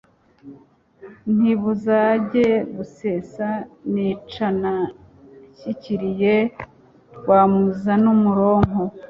nti: Buzajye gusesa nicana, nshyikiliye Rwamuza n'umuronko,